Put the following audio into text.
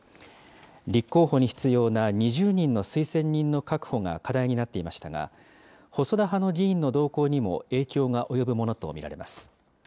立候補に必要な２０人の推薦人の確保が課題になっていましたが、細田派の議員の動向にも影響が及ぶものと見られます。